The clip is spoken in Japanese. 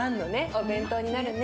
お弁当になるね。